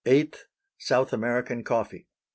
South American Coffee.